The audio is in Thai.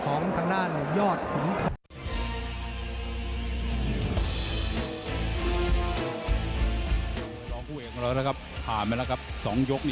โอ้ถยุบเลยติงซ้ายงานด้วย